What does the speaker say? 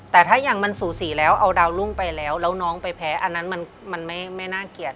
แต่ถ้าอย่างมันสูสีแล้วเอาดาวรุ่งไปแล้วแล้วน้องไปแพ้อันนั้นมันไม่น่าเกลียด